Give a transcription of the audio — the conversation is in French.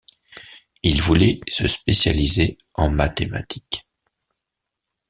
Il voulait se spécialiser en mathématiques.